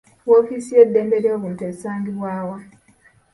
Woofiisi y'eddembe ly'obuntu esangibwa wa?